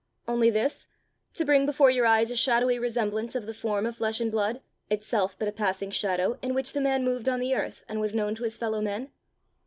Only this to bring before your eyes a shadowy resemblance of the form of flesh and blood, itself but a passing shadow, in which the man moved on the earth, and was known to his fellow men?